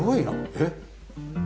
えっ？